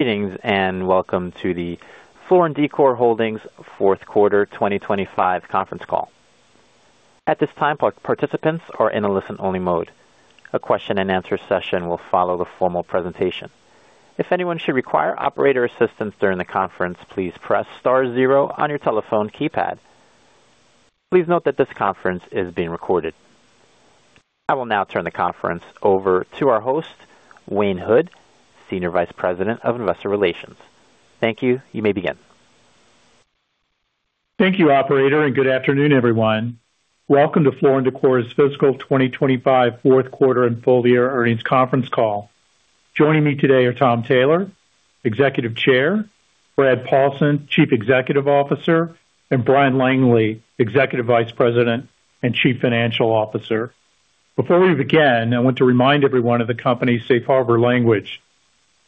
Greetings, and welcome to the Floor and Decor Holdings fourth quarter 2025 conference call. At this time, participants are in a listen-only mode. A question and answer session will follow the formal presentation. If anyone should require operator assistance during the conference, please press star zero on your telephone keypad. Please note that this conference is being recorded. I will now turn the conference over to our host, Wayne Hood, Senior Vice President of Investor Relations. Thank you. You may begin. Thank you, operator, and good afternoon, everyone. Welcome to Floor and Decor's fiscal 2025 fourth quarter and full year earnings conference call. Joining me today are Tom Taylor, Executive Chair, Brad Paulsen, Chief Executive Officer, and Bryan Langley, Executive Vice President and Chief Financial Officer. Before we begin, I want to remind everyone of the company's Safe Harbor language.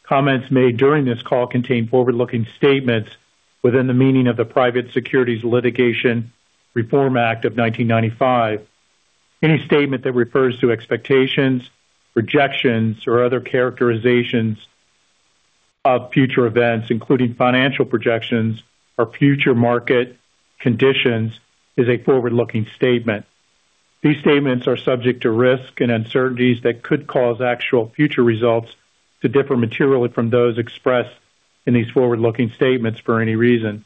Comments made during this call contain forward-looking statements within the meaning of the Private Securities Litigation Reform Act of 1995. Any statement that refers to expectations, projections, or other characterizations of future events, including financial projections or future market conditions, is a forward-looking statement. These statements are subject to risks and uncertainties that could cause actual future results to differ materially from those expressed in these forward-looking statements for any reason,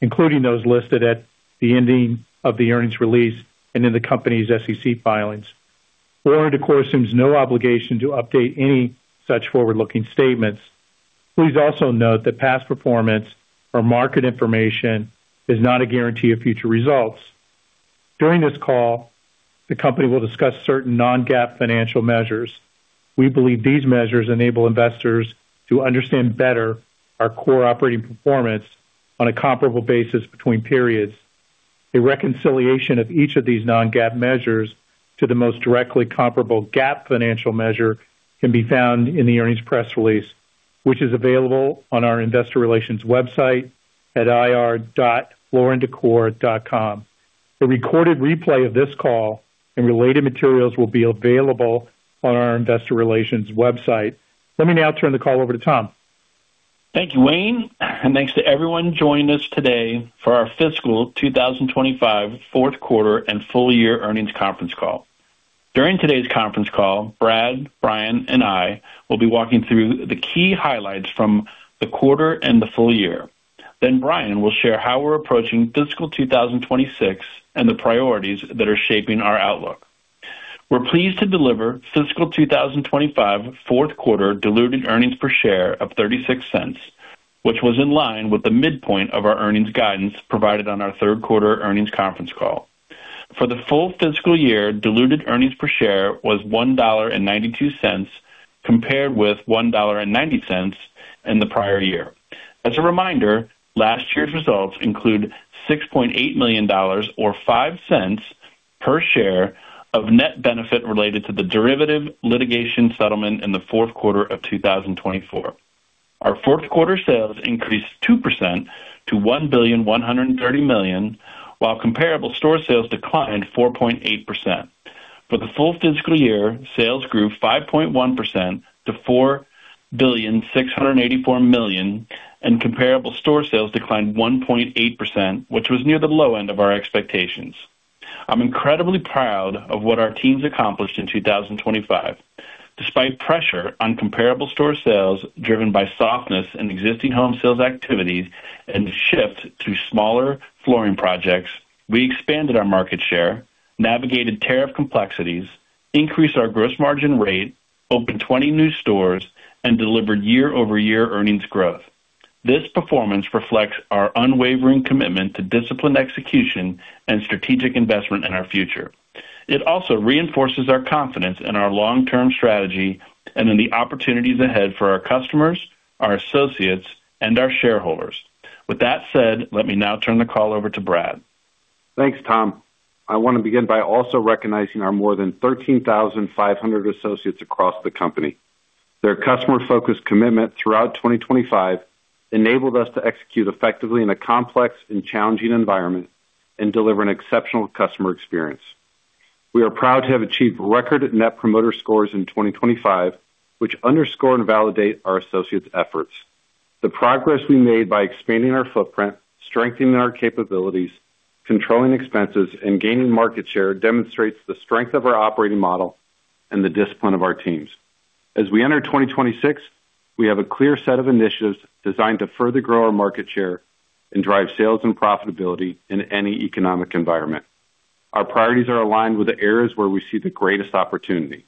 including those listed at the ending of the earnings release and in the company's SEC filings. Floor and Decor assumes no obligation to update any such forward-looking statements. Please also note that past performance or market information is not a guarantee of future results. During this call, the company will discuss certain non-GAAP financial measures. We believe these measures enable investors to understand better our core operating performance on a comparable basis between periods. A reconciliation of each of these non-GAAP measures to the most directly comparable GAAP financial measure can be found in the earnings press release, which is available on our investor relations website at ir.flooranddecor.com. The recorded replay of this call and related materials will be available on our investor relations website. Let me now turn the call over to Tom. Thank you, Wayne, and thanks to everyone joining us today for our fiscal 2025 fourth quarter and full year earnings conference call. During today's conference call, Brad, Bryan, and I will be walking through the key highlights from the quarter and the full year. Then Bryan will share how we're approaching fiscal 2026 and the priorities that are shaping our outlook. We're pleased to deliver fiscal 2025 fourth quarter diluted earnings per share of $0.36, which was in line with the midpoint of our earnings guidance provided on our third quarter earnings conference call. For the full fiscal year, diluted earnings per share was $1.92, compared with $1.90 in the prior year. As a reminder, last year's results include $6.8 million, or $0.05 per share of net benefit related to the derivative litigation settlement in the fourth quarter of 2024. Our fourth quarter sales increased 2% to $1.13 billion, while comparable store sales declined 4.8%. For the full fiscal year, sales grew 5.1% to $4.684 billion, and comparable store sales declined 1.8%, which was near the low end of our expectations. I'm incredibly proud of what our teams accomplished in 2025. Despite pressure on comparable store sales, driven by softness in existing home sales activities and the shift to smaller flooring projects, we expanded our market share, navigated tariff complexities, increased our gross margin rate, opened 20 new stores, and delivered year-over-year earnings growth. This performance reflects our unwavering commitment to disciplined execution and strategic investment in our future. It also reinforces our confidence in our long-term strategy and in the opportunities ahead for our customers, our associates, and our shareholders. With that said, let me now turn the call over to Brad. Thanks, Tom. I want to begin by also recognizing our more than 13,500 associates across the company. Their customer-focused commitment throughout 2025 enabled us to execute effectively in a complex and challenging environment and deliver an exceptional customer experience. We are proud to have achieved record Net Promoter Scores in 2025, which underscore and validate our associates' efforts. The progress we made by expanding our footprint, strengthening our capabilities, controlling expenses, and gaining market share demonstrates the strength of our operating model and the discipline of our teams. As we enter 2026, we have a clear set of initiatives designed to further grow our market share and drive sales and profitability in any economic environment. Our priorities are aligned with the areas where we see the greatest opportunity.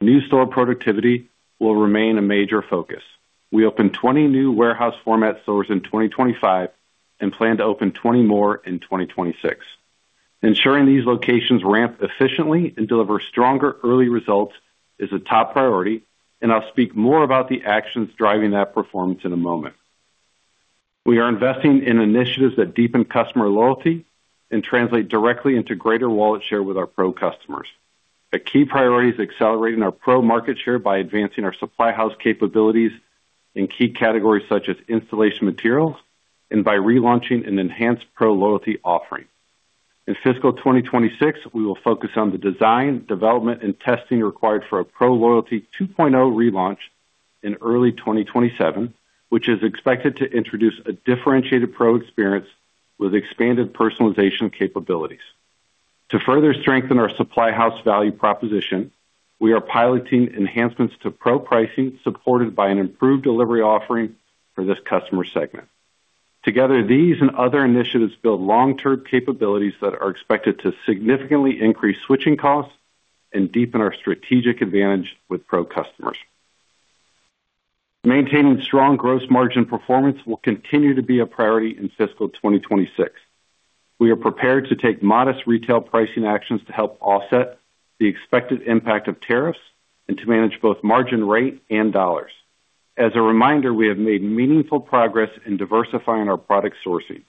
New store productivity will remain a major focus. We opened 20 new warehouse format stores in 2025 and plan to open 20 more in 2026. Ensuring these locations ramp efficiently and deliver stronger early results is a top priority, and I'll speak more about the actions driving that performance in a moment. We are investing in initiatives that deepen customer loyalty and translate directly into greater wallet share with our PRO customers. A key priority is accelerating our PRO market share by advancing our supply house capabilities in key categories, such as installation materials, and by relaunching an enhanced PRO loyalty offering. In fiscal 2026, we will focus on the design, development, and testing required for a PRO Loyalty 2.0 relaunch in early 2027, which is expected to introduce a differentiated PRO experience with expanded personalization capabilities. To further strengthen our supply house value proposition, we are piloting enhancements to PRO pricing, supported by an improved delivery offering for this customer segment. Together, these and other initiatives build long-term capabilities that are expected to significantly increase switching costs and deepen our strategic advantage with PRO customers. Maintaining strong gross margin performance will continue to be a priority in fiscal 2026. We are prepared to take modest retail pricing actions to help offset the expected impact of tariffs and to manage both margin rate and dollars. As a reminder, we have made meaningful progress in diversifying our product sourcing.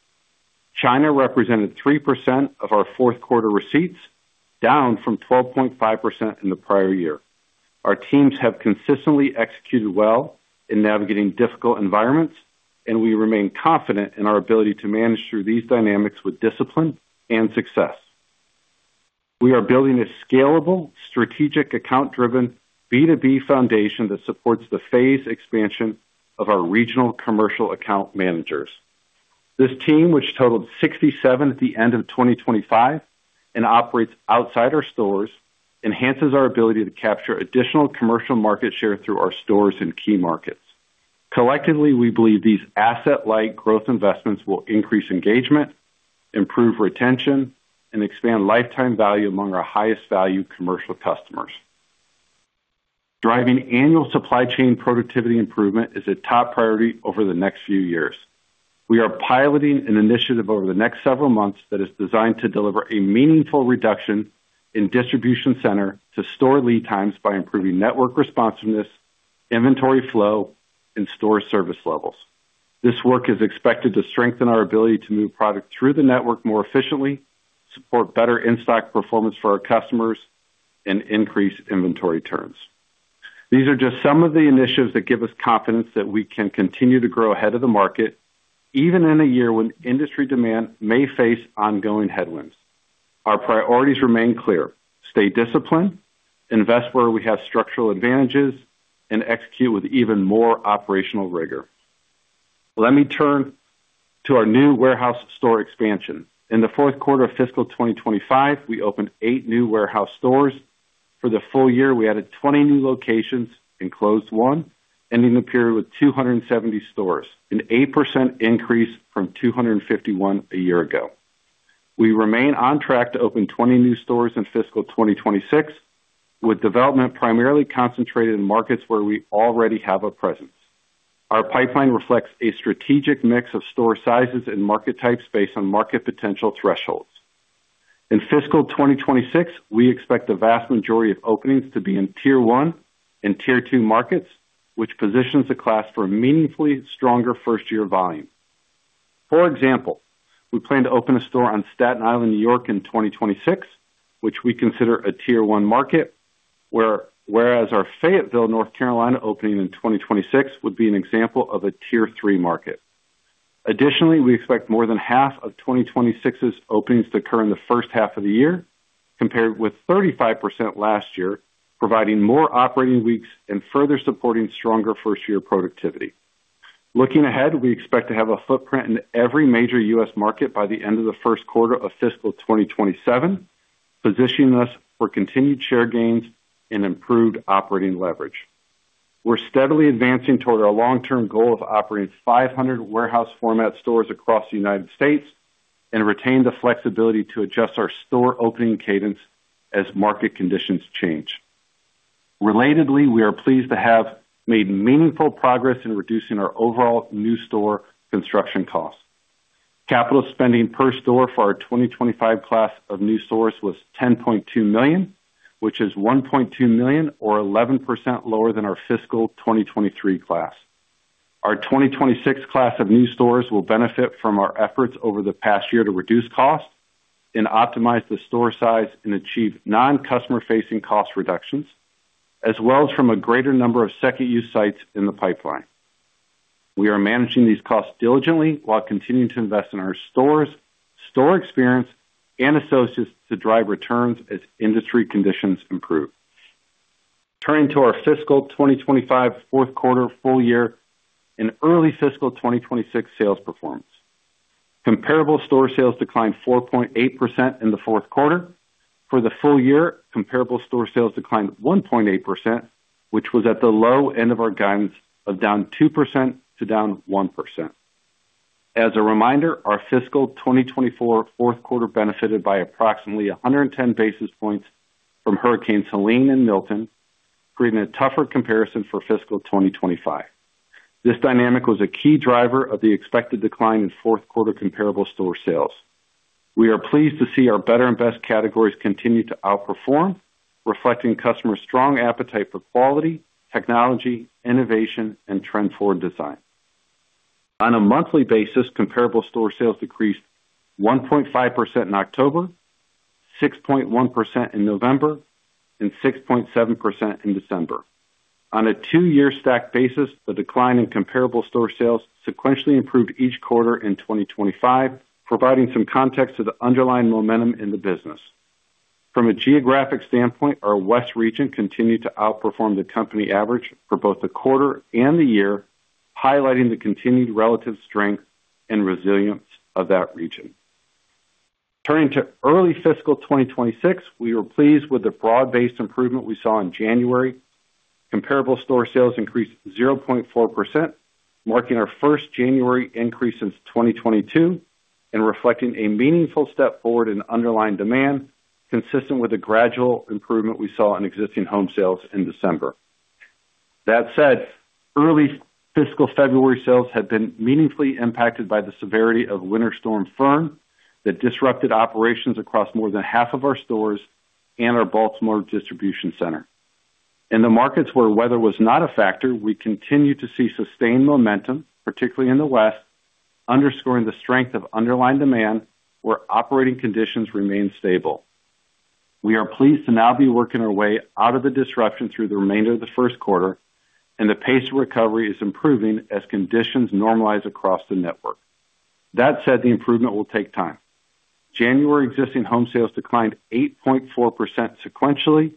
China represented 3% of our fourth quarter receipts, down from 12.5% in the prior year. Our teams have consistently executed well in navigating difficult environments, and we remain confident in our ability to manage through these dynamics with discipline and success. We are building a scalable, strategic, account-driven, B2B foundation that supports the phase expansion of our regional commercial account managers. This team, which totaled 67 at the end of 2025 and operates outside our stores, enhances our ability to capture additional commercial market share through our stores in key markets. Collectively, we believe these asset-light growth investments will increase engagement, improve retention, and expand lifetime value among our highest value commercial customers. Driving annual supply chain productivity improvement is a top priority over the next few years. We are piloting an initiative over the next several months that is designed to deliver a meaningful reduction in distribution center to store lead times by improving network responsiveness, inventory flow, and store service levels. This work is expected to strengthen our ability to move product through the network more efficiently, support better in-stock performance for our customers, and increase inventory turns. These are just some of the initiatives that give us confidence that we can continue to grow ahead of the market, even in a year when industry demand may face ongoing headwinds. Our priorities remain clear: stay disciplined, invest where we have structural advantages, and execute with even more operational rigor. Let me turn to our new warehouse store expansion. In the fourth quarter of fiscal 2025, we opened eight new warehouse stores. For the full year, we added 20 new locations and closed one, ending the period with 270 stores, an 8% increase from 251 a year ago. We remain on track to open 20 new stores in fiscal 2026, with development primarily concentrated in markets where we already have a presence. Our pipeline reflects a strategic mix of store sizes and market types based on market potential thresholds. In fiscal 2026, we expect the vast majority of openings to be in Tier 1 and Tier 2 markets, which positions the class for a meaningfully stronger first-year volume. For example, we plan to open a store on Staten Island, New York, in 2026, which we consider a tier one market, whereas our Fayetteville, North Carolina, opening in 2026 would be an example of a tier three market. Additionally, we expect more than half of 2026's openings to occur in the first half of the year, compared with 35% last year, providing more operating weeks and further supporting stronger first-year productivity. Looking ahead, we expect to have a footprint in every major U.S. market by the end of the first quarter of fiscal 2027, positioning us for continued share gains and improved operating leverage. We're steadily advancing toward our long-term goal of operating 500 warehouse format stores across the United States and retain the flexibility to adjust our store opening cadence as market conditions change. Relatedly, we are pleased to have made meaningful progress in reducing our overall new store construction costs. Capital spending per store for our 2025 class of new stores was $10.2 million, which is $1.2 million, or 11% lower than our fiscal 2023 class. Our 2026 class of new stores will benefit from our efforts over the past year to reduce costs and optimize the store size and achieve non-customer facing cost reductions, as well as from a greater number of second use sites in the pipeline. We are managing these costs diligently while continuing to invest in our stores, store experience, and associates to drive returns as industry conditions improve. Turning to our fiscal 2025 fourth quarter, full year and early fiscal 2026 sales performance. Comparable store sales declined 4.8% in the fourth quarter. For the full year, comparable store sales declined 1.8%, which was at the low end of our guidance of down 2% to down 1%. As a reminder, our fiscal 2024 fourth quarter benefited by approximately 110 basis points from Hurricane Helene and Milton, creating a tougher comparison for fiscal 2025. This dynamic was a key driver of the expected decline in fourth quarter comparable store sales. We are pleased to see our Better and Best categories continue to outperform, reflecting customers' strong appetite for quality, technology, innovation, and trend-forward design. On a monthly basis, comparable store sales decreased 1.5% in October, 6.1% in November and 6.7% in December. On a two-year stack basis, the decline in comparable store sales sequentially improved each quarter in 2025, providing some context to the underlying momentum in the business. From a geographic standpoint, our West region continued to outperform the company average for both the quarter and the year, highlighting the continued relative strength and resilience of that region. Turning to early fiscal 2026, we were pleased with the broad-based improvement we saw in January. Comparable store sales increased 0.4%, marking our first January increase since 2022, and reflecting a meaningful step forward in underlying demand, consistent with the gradual improvement we saw in existing home sales in December. That said, early fiscal February sales have been meaningfully impacted by the severity of Winter Storm Fern that disrupted operations across more than half of our stores and our Baltimore distribution center. In the markets where weather was not a factor, we continued to see sustained momentum, particularly in the West, underscoring the strength of underlying demand, where operating conditions remained stable. We are pleased to now be working our way out of the disruption through the remainder of the first quarter, and the pace of recovery is improving as conditions normalize across the network. That said, the improvement will take time. January existing home sales declined 8.4% sequentially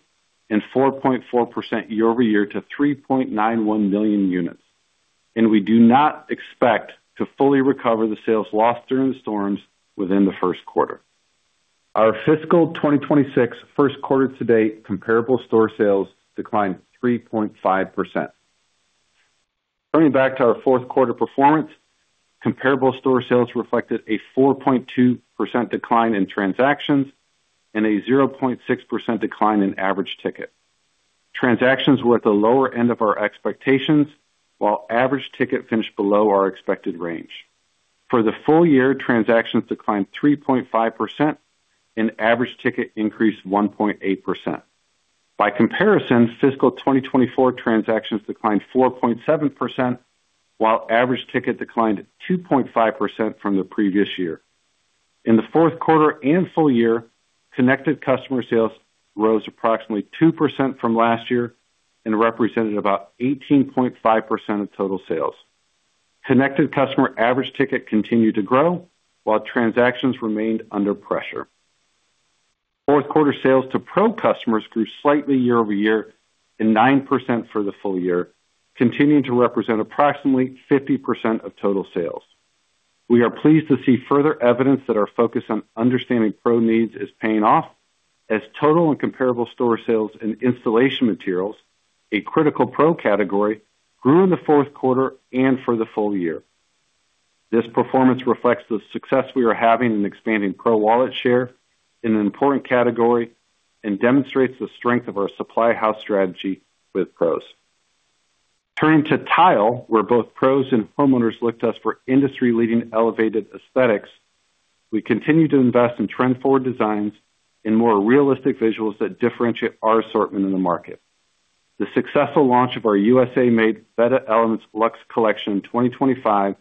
and 4.4% year-over-year to 3.91 million units, and we do not expect to fully recover the sales lost during the storms within the first quarter. Our fiscal 2026 first quarter to date, comparable store sales declined 3.5%. Turning back to our fourth quarter performance, comparable store sales reflected a 4.2% decline in transactions and a 0.6% decline in average ticket. Transactions were at the lower end of our expectations, while average ticket finished below our expected range. For the full year, transactions declined 3.5% and average ticket increased 1.8%. By comparison, fiscal 2024 transactions declined 4.7%, while average ticket declined to 2.5% from the previous year. In the fourth quarter and full year, connected customer sales rose approximately 2% from last year and represented about 18.5% of total sales. Connected customer average ticket continued to grow, while transactions remained under pressure. Fourth quarter sales to PRO customers grew slightly year-over-year and 9% for the full year, continuing to represent approximately 50% of total sales. We are pleased to see further evidence that our focus on understanding PRO needs is paying off, as total and comparable store sales and installation materials, a critical PRO category, grew in the fourth quarter and for the full year. This performance reflects the success we are having in expanding PRO wallet share in an important category, and demonstrates the strength of our supply house strategy with PROs. Turning to tile, where both PROs and homeowners look to us for industry-leading elevated aesthetics, we continue to invest in trend-forward designs and more realistic visuals that differentiate our assortment in the market. The successful launch of our U.S.A.-made Vetta Elements Luxe Collection in 2025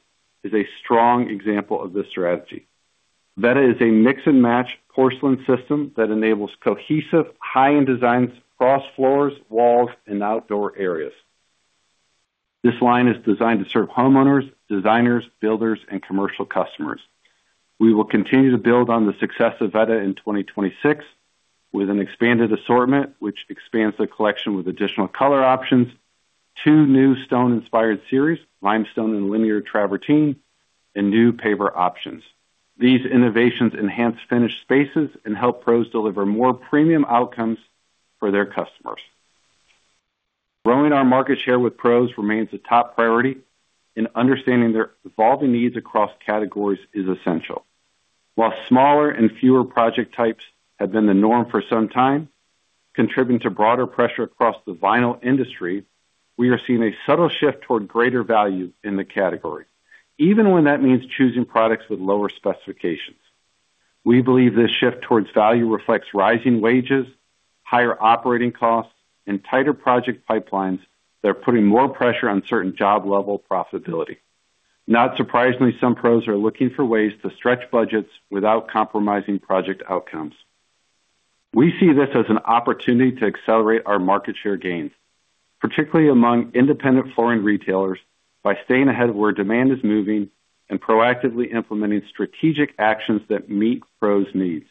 is a strong example of this strategy. Vetta is a mix-and-match porcelain system that enables cohesive, high-end designs across floors, walls, and outdoor areas. This line is designed to serve homeowners, designers, builders, and commercial customers. We will continue to build on the success of Vetta in 2026 with an expanded assortment, which expands the collection with additional color options, two new stone-inspired series, limestone and linear travertine, and new paver options. These innovations enhance finished spaces and help PROs deliver more premium outcomes for their customers. Growing our market share with PROs remains a top priority, and understanding their evolving needs across categories is essential. While smaller and fewer project types have been the norm for some time, contributing to broader pressure across the vinyl industry, we are seeing a subtle shift toward greater value in the category, even when that means choosing products with lower specifications. We believe this shift towards value reflects rising wages, higher operating costs, and tighter project pipelines that are putting more pressure on certain job level profitability. Not surprisingly, some PROs are looking for ways to stretch budgets without compromising project outcomes. We see this as an opportunity to accelerate our market share gains, particularly among independent flooring retailers, by staying ahead of where demand is moving and proactively implementing strategic actions that meet PROs' needs.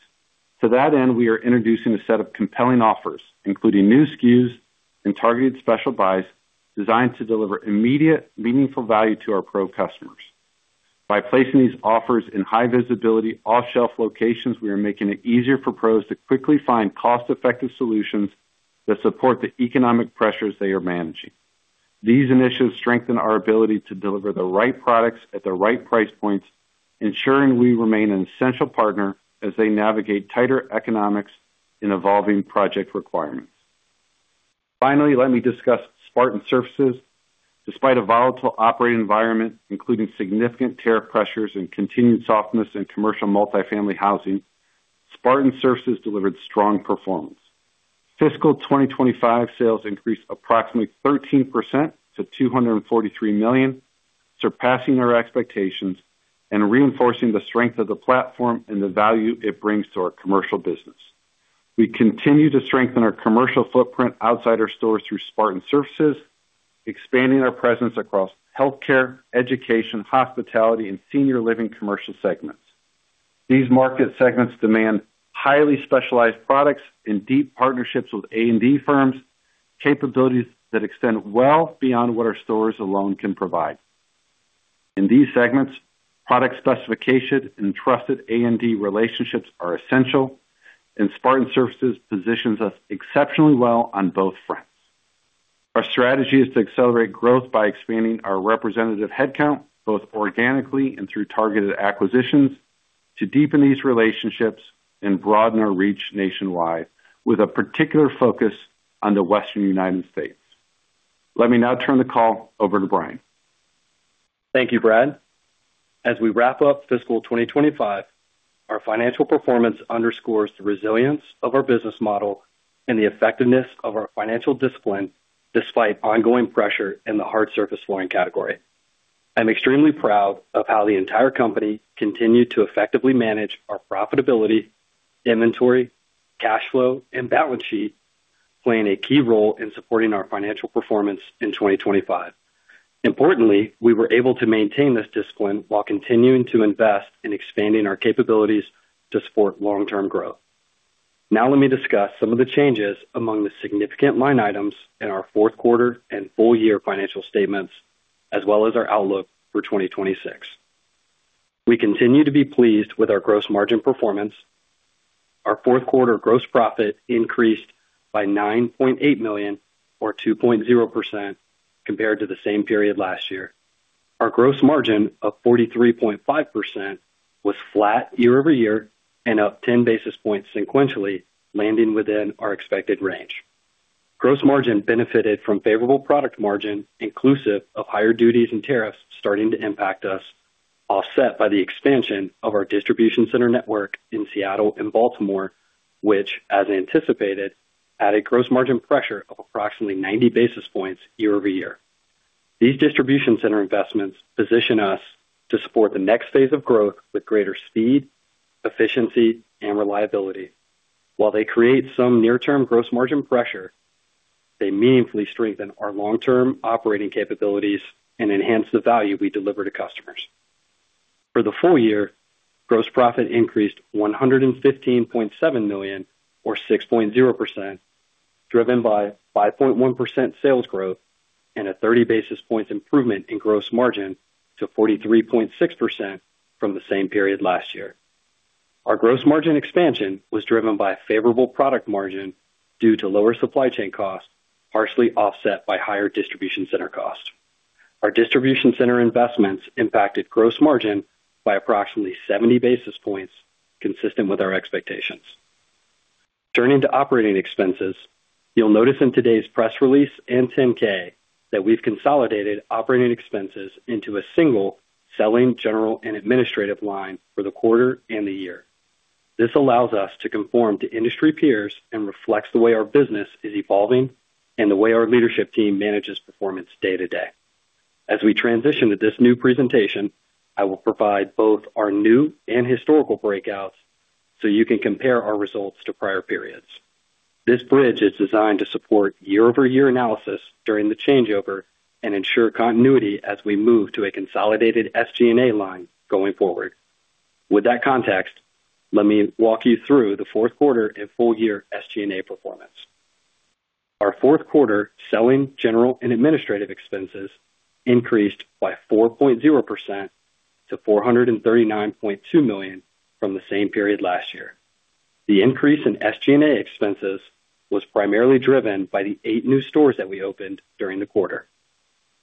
To that end, we are introducing a set of compelling offers, including new SKUs and targeted special buys, designed to deliver immediate, meaningful value to our PRO customers. By placing these offers in high visibility, off-shelf locations, we are making it easier for PROs to quickly find cost-effective solutions that support the economic pressures they are managing. These initiatives strengthen our ability to deliver the right products at the right price points, ensuring we remain an essential partner as they navigate tighter economics and evolving project requirements. Finally, let me discuss Spartan Surfaces. Despite a volatile operating environment, including significant tariff pressures and continued softness in commercial multifamily housing, Spartan Surfaces delivered strong performance. Fiscal 2025 sales increased approximately 13% to $243 million, surpassing our expectations and reinforcing the strength of the platform and the value it brings to our commercial business. We continue to strengthen our commercial footprint outside our stores through Spartan Surfaces, expanding our presence across healthcare, education, hospitality, and senior living commercial segments. These market segments demand highly specialized products and deep partnerships with A&D firms, capabilities that extend well beyond what our stores alone can provide. In these segments, product specification and trusted A&D relationships are essential, and Spartan Surfaces positions us exceptionally well on both fronts. Our strategy is to accelerate growth by expanding our representative headcount, both organically and through targeted acquisitions, to deepen these relationships and broaden our reach nationwide, with a particular focus on the Western United States. Let me now turn the call over to Bryan. Thank you, Brad. As we wrap up fiscal 2025, our financial performance underscores the resilience of our business model and the effectiveness of our financial discipline, despite ongoing pressure in the hard surface flooring category. I'm extremely proud of how the entire company continued to effectively manage our profitability, inventory, cash flow, and balance sheet, playing a key role in supporting our financial performance in 2025. Importantly, we were able to maintain this discipline while continuing to invest in expanding our capabilities to support long-term growth. Now, let me discuss some of the changes among the significant line items in our fourth quarter and full year financial statements, as well as our outlook for 2026. We continue to be pleased with our gross margin performance. Our fourth quarter gross profit increased by $9.8 million, or 2.0%, compared to the same period last year. Our gross margin of 43.5% was flat year-over-year and up 10 basis points sequentially, landing within our expected range. Gross margin benefited from favorable product margin, inclusive of higher duties and tariffs starting to impact us, offset by the expansion of our distribution center network in Seattle and Baltimore, which, as anticipated, added gross margin pressure of approximately 90 basis points year-over-year. These distribution center investments position us to support the next phase of growth with greater speed, efficiency, and reliability. While they create some near-term gross margin pressure, they meaningfully strengthen our long-term operating capabilities and enhance the value we deliver to customers. For the full year, gross profit increased $115.7 million, or 6.0%, driven by 5.1% sales growth and a 30 basis points improvement in gross margin to 43.6% from the same period last year. Our gross margin expansion was driven by a favorable product margin due to lower supply chain costs, partially offset by higher distribution center costs. Our distribution center investments impacted gross margin by approximately 70 basis points, consistent with our expectations. Turning to operating expenses, you'll notice in today's press release and Form 10-K that we've consolidated operating expenses into a single selling, general, and administrative line for the quarter and the year. This allows us to conform to industry peers and reflects the way our business is evolving and the way our leadership team manages performance day to day. As we transition to this new presentation, I will provide both our new and historical breakouts so you can compare our results to prior periods. This bridge is designed to support year-over-year analysis during the changeover and ensure continuity as we move to a consolidated SG&A line going forward. With that context, let me walk you through the fourth quarter and full year SG&A performance. Our fourth quarter selling, general, and administrative expenses increased by 4.0% to $439.2 million from the same period last year. The increase in SG&A expenses was primarily driven by the eight new stores that we opened during the quarter.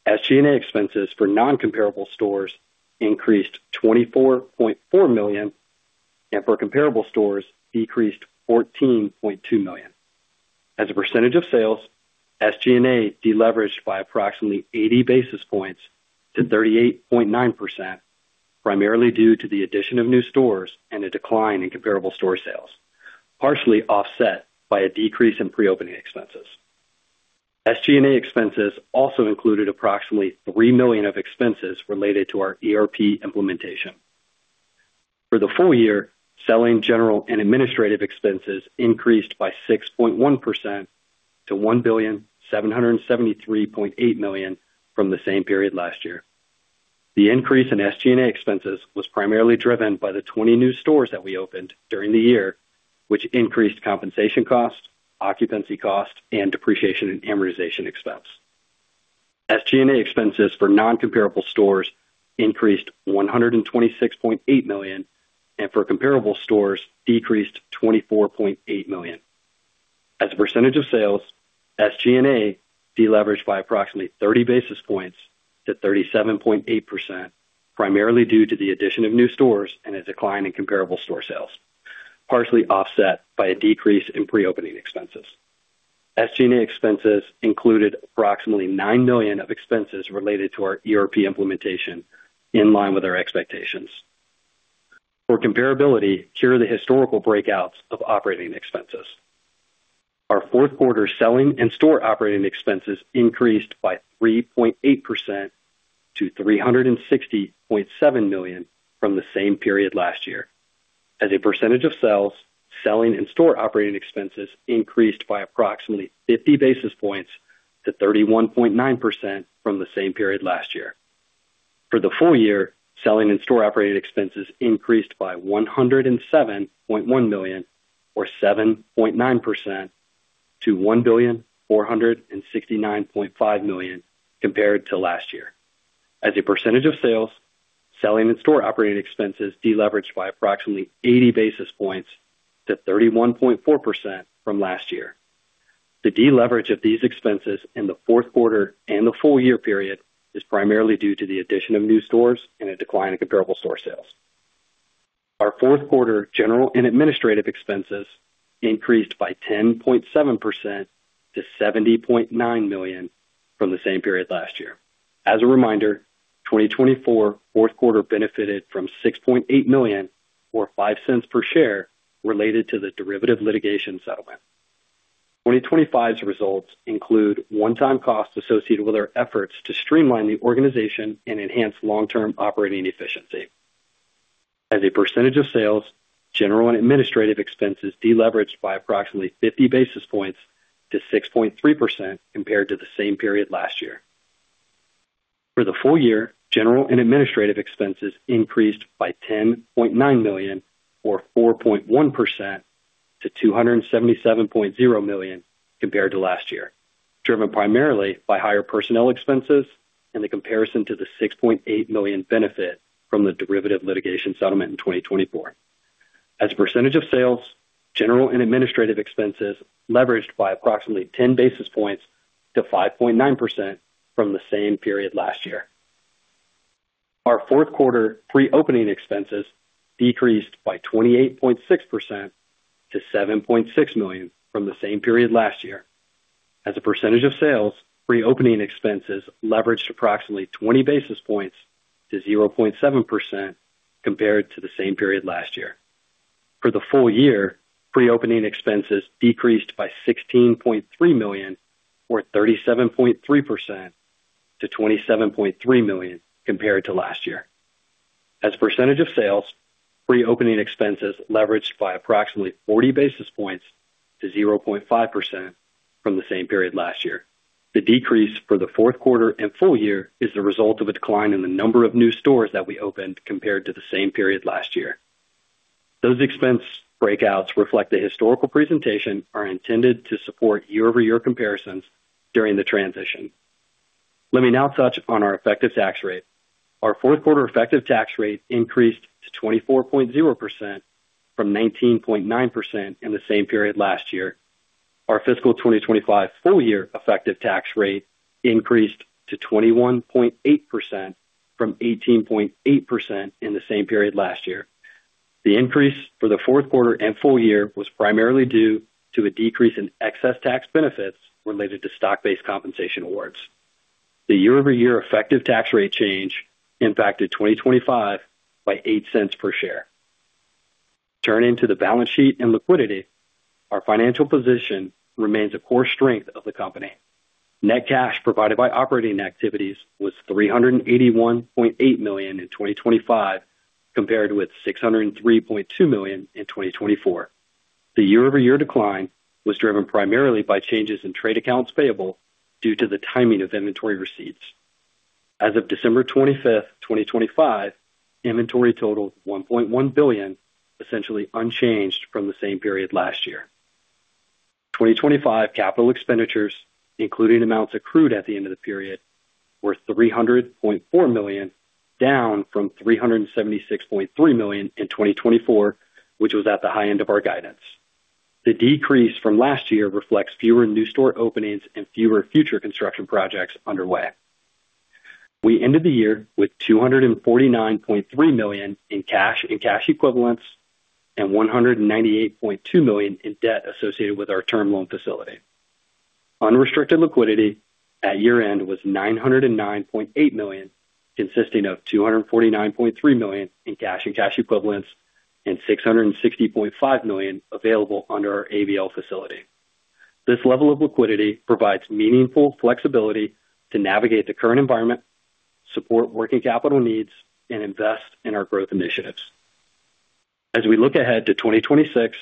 SG&A expenses for non-comparable stores increased $24.4 million, and for comparable stores, decreased $14.2 million. As a percentage of sales, SG&A deleveraged by approximately 80 basis points to 38.9%, primarily due to the addition of new stores and a decline in comparable store sales, partially offset by a decrease in pre-opening expenses. SG&A expenses also included approximately $3 million of expenses related to our ERP implementation. For the full year, selling, general and administrative expenses increased by 6.1% to $1.7738 billion from the same period last year. The increase in SG&A expenses was primarily driven by the 20 new stores that we opened during the year, which increased compensation costs, occupancy costs, and depreciation and amortization expense. SG&A expenses for non-comparable stores increased $126.8 million, and for comparable stores, decreased $24.8 million. As a percentage of sales, SG&A deleveraged by approximately 30 basis points to 37.8%, primarily due to the addition of new stores and a decline in comparable store sales, partially offset by a decrease in pre-opening expenses. SG&A expenses included approximately $9 million of expenses related to our ERP implementation, in line with our expectations. For comparability, here are the historical breakouts of operating expenses. Our fourth quarter selling and store operating expenses increased by 3.8% to $360.7 million from the same period last year. As a percentage of sales, selling and store operating expenses increased by approximately 50 basis points to 31.9% from the same period last year. For the full year, selling and store operating expenses increased by $107.1 million, or 7.9% to $1,469.5 million compared to last year. As a percentage of sales, selling and store operating expenses deleveraged by approximately 80 basis points to 31.4% from last year. The deleverage of these expenses in the fourth quarter and the full year period is primarily due to the addition of new stores and a decline in comparable store sales. Our fourth quarter general and administrative expenses increased by 10.7% to $70.9 million from the same period last year. As a reminder, 2024 fourth quarter benefited from $6.8 million, or $0.05 per share, related to the derivative litigation settlement. 2025's results include one-time costs associated with our efforts to streamline the organization and enhance long-term operating efficiency. As a percentage of sales, general and administrative expenses deleveraged by approximately 50 basis points to 6.3% compared to the same period last year. For the full year, general and administrative expenses increased by $10.9 million, or 4.1% to $277.0 million compared to last year, driven primarily by higher personnel expenses and the comparison to the $6.8 million benefit from the derivative litigation settlement in 2024. As a percentage of sales, general and administrative expenses leveraged by approximately 10 basis points to 5.9% from the same period last year. Our fourth quarter pre-opening expenses decreased by 28.6% to $7.6 million from the same period last year. As a percentage of sales, pre-opening expenses leveraged approximately 20 basis points to 0.7% compared to the same period last year. For the full year, pre-opening expenses decreased by $16.3 million, or 37.3% to $27.3 million compared to last year. As a percentage of sales, pre-opening expenses leveraged by approximately 40 basis points to 0.5% from the same period last year. The decrease for the fourth quarter and full year is the result of a decline in the number of new stores that we opened compared to the same period last year. Those expense breakouts reflect the historical presentation are intended to support year-over-year comparisons during the transition. Let me now touch on our effective tax rate. Our fourth quarter effective tax rate increased to 24.0% from 19.9% in the same period last year. Our fiscal 2025 full year effective tax rate increased to 21.8% from 18.8% in the same period last year. The increase for the fourth quarter and full year was primarily due to a decrease in excess tax benefits related to stock-based compensation awards. The year-over-year effective tax rate change impacted 2025 by $0.08 per share. Turning to the balance sheet and liquidity, our financial position remains a core strength of the company. Net cash provided by operating activities was $381.8 million in 2025, compared with $603.2 million in 2024. The year-over-year decline was driven primarily by changes in trade accounts payable due to the timing of inventory receipts. As of December 25, 2025, inventory totaled $1.1 billion, essentially unchanged from the same period last year. 2025 capital expenditures, including amounts accrued at the end of the period, were $300.4 million, down from $376.3 million in 2024, which was at the high end of our guidance. The decrease from last year reflects fewer new store openings and fewer future construction projects underway. We ended the year with $249.3 million in cash and cash equivalents and $198.2 million in debt associated with our term loan facility. Unrestricted liquidity at year-end was $909.8 million, consisting of $249.3 million in cash and cash equivalents and $660.5 million available under our ABL facility. This level of liquidity provides meaningful flexibility to navigate the current environment, support working capital needs and invest in our growth initiatives. As we look ahead to 2026,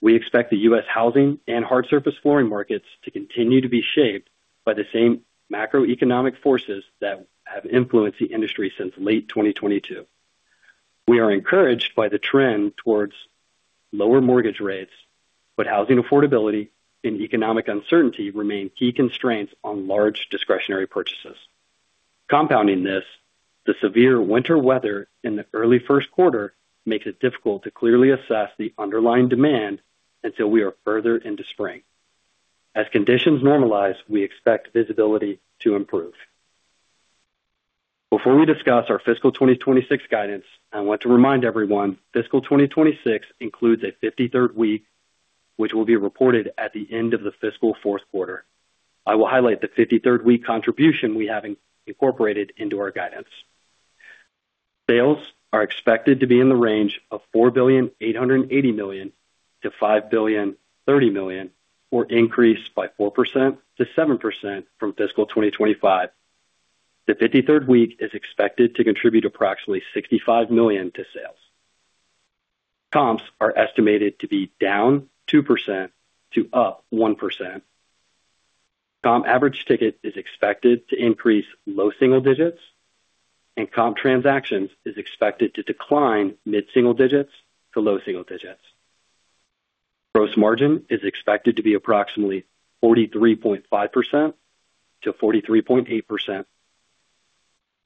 we expect the U.S. housing and hard surface flooring markets to continue to be shaped by the same macroeconomic forces that have influenced the industry since late 2022. We are encouraged by the trend towards lower mortgage rates, but housing affordability and economic uncertainty remain key constraints on large discretionary purchases. Compounding this, the severe winter weather in the early first quarter makes it difficult to clearly assess the underlying demand until we are further into spring. As conditions normalize, we expect visibility to improve. Before we discuss our fiscal 2026 guidance, I want to remind everyone, fiscal 2026 includes a 53rd week, which will be reported at the end of the fiscal fourth quarter. I will highlight the 53rd week contribution we have incorporated into our guidance. Sales are expected to be in the range of $4.88 billion-$5.03 billion, or increase by 4%-7% from fiscal 2025. The 53rd week is expected to contribute approximately $65 million to sales. Comps are estimated to be down 2% to up 1%. Comp average ticket is expected to increase low single digits, and comp transactions is expected to decline mid-single digits to low single digits. Gross margin is expected to be approximately 43.5%-43.8%.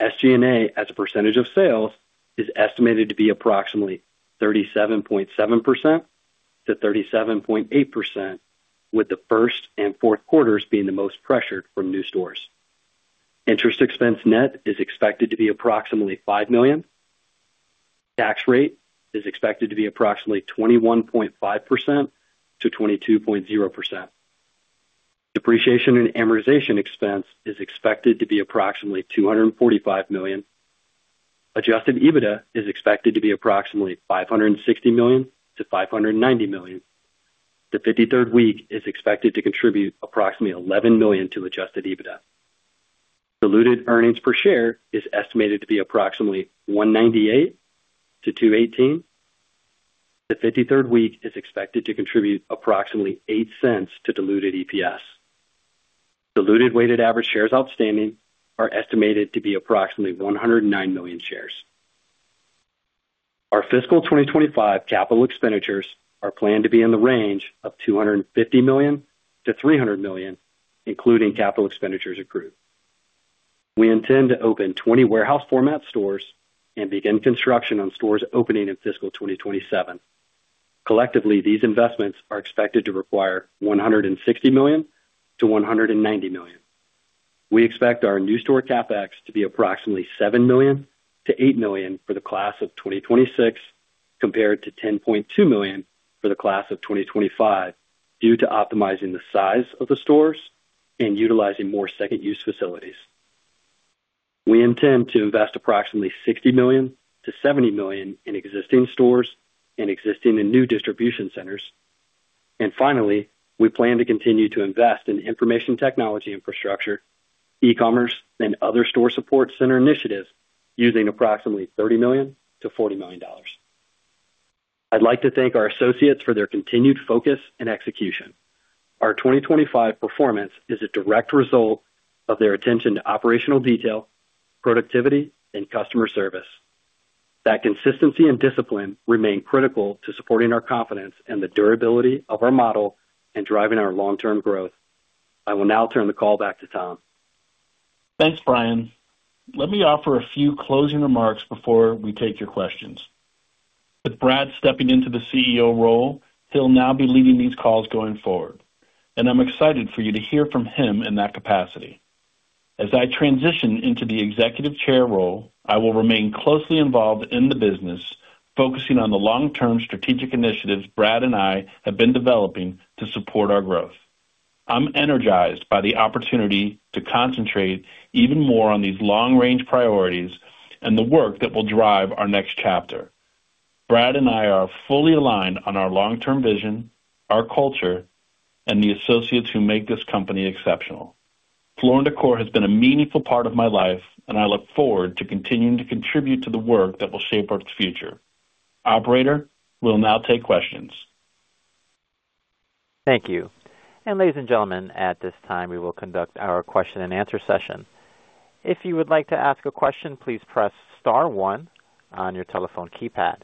SG&A, as a percentage of sales, is estimated to be approximately 37.7%-37.8%, with the first and fourth quarters being the most pressured from new stores. Interest expense net is expected to be approximately $5 million. Tax rate is expected to be approximately 21.5%-22.0%. Depreciation and amortization expense is expected to be approximately $245 million. Adjusted EBITDA is expected to be approximately $560 million-$590 million. The fifty-third week is expected to contribute approximately $11 million to adjusted EBITDA. Diluted earnings per share is estimated to be approximately $1.98-$2.18. The 53rd week is expected to contribute approximately $0.08 to diluted EPS. Diluted weighted average shares outstanding are estimated to be approximately 109 million shares. Our fiscal 2025 capital expenditures are planned to be in the range of $250 million-$300 million, including capital expenditures accrued. We intend to open 20 warehouse format stores and begin construction on stores opening in fiscal 2027. Collectively, these investments are expected to require $160 million-$190 million. We expect our new store CapEx to be approximately $7 million-$8 million for the class of 2026, compared to $10.2 million for the class of 2025, due to optimizing the size of the stores and utilizing more second use facilities. We intend to invest approximately $60 million-$70 million in existing stores and existing and new distribution centers. Finally, we plan to continue to invest in information technology infrastructure, e-commerce and other store support center initiatives, using approximately $30 million-$40 million. I'd like to thank our associates for their continued focus and execution. Our 2025 performance is a direct result of their attention to operational detail, productivity, and customer service. That consistency and discipline remain critical to supporting our confidence and the durability of our model and driving our long-term growth. I will now turn the call back to Tom. Thanks, Bryan. Let me offer a few closing remarks before we take your questions. With Brad stepping into the CEO role, he'll now be leading these calls going forward, and I'm excited for you to hear from him in that capacity. As I transition into the Executive Chair role, I will remain closely involved in the business, focusing on the long-term strategic initiatives Brad and I have been developing to support our growth. I'm energized by the opportunity to concentrate even more on these long-range priorities and the work that will drive our next chapter. Brad and I are fully aligned on our long-term vision, our culture, and the associates who make this company exceptional. Floor and Decor has been a meaningful part of my life, and I look forward to continuing to contribute to the work that will shape our future. Operator, we'll now take questions. Thank you. Ladies and gentlemen, at this time, we will conduct our question and answer session. If you would like to ask a question, please press star one on your telephone keypad.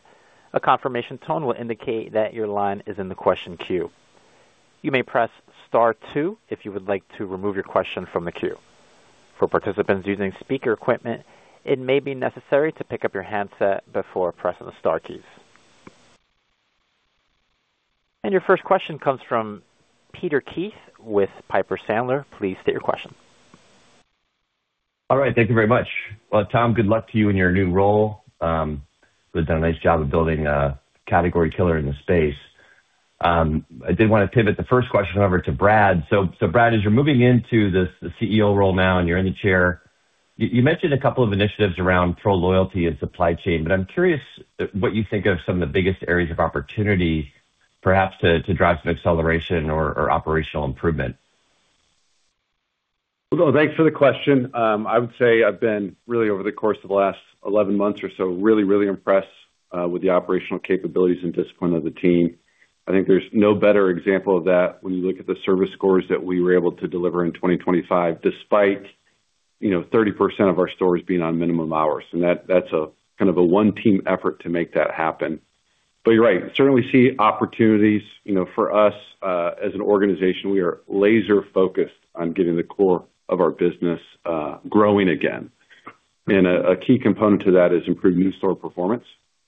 A confirmation tone will indicate that your line is in the question queue. You may press star two if you would like to remove your question from the queue. For participants using speaker equipment, it may be necessary to pick up your handset before pressing the star keys. Your first question comes from Peter Keith with Piper Sandler. Please state your question. All right, thank you very much. Well, Tom, good luck to you in your new role. You've done a nice job of building a category killer in the space. I did want to pivot the first question, however, to Brad. So, Brad, as you're moving into this, the CEO role now and you're in the chair, you, you mentioned a couple of initiatives around PRO loyalty and supply chain, but I'm curious what you think are some of the biggest areas of opportunity, perhaps, to, to drive some acceleration or, or operational improvement? Well, thanks for the question. I would say I've been really, over the course of the last 11 months or so, really, really impressed with the operational capabilities and discipline of the team. I think there's no better example of that when you look at the service scores that we were able to deliver in 2025, despite, you know, 30% of our stores being on minimum hours. And that, that's a kind of a one-team effort to make that happen. But you're right, certainly see opportunities. You know, for us, as an organization, we are laser focused on getting the core of our business growing again. And a key component to that is improving new store performance.